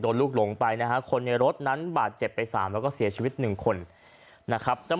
โดนลูกหลงไปคนในรถนั้นบาดเจ็บไป๓แล้วก็เสียชีวิต๑คน